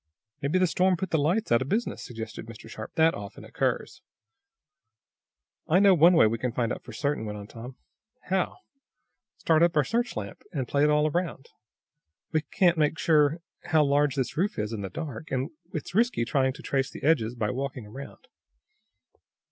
"Maybe the storm put the lights out of business," suggested Mr. Sharp. "That often occurs." "I know one way we can find out for certain," went on Tom. "How?" "Start up our search lamp, and play it all around. We can't make sure how large this roof is in the dark, and it's risky trying to trace the edges by walking around."